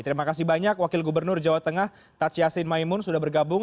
terima kasih banyak wakil gubernur jawa tengah tats yassin maimun sudah bergabung